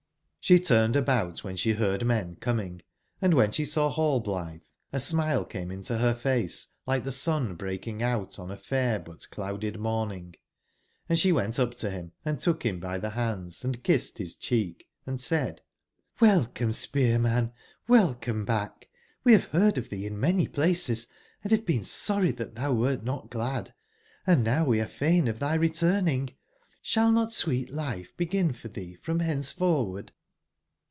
She turned about wben she heard men coming, andwhen she saw Rail blithe a smile cameintober face like tbe sun breaking out on afair but cloudedmoming,& she went up to bim and took him by tbe bands and kissed bis cheek, and said: ''CQelcome, Spearman! welcome backKOe have beard of tbee in many places, & have been sorry that tbou wert not glad, and now are we fain of thy returning. Shall not sweet life begin for tbee from ben ceforward?"